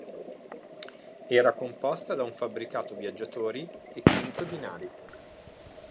Era composta da un fabbricato viaggiatori e cinque binari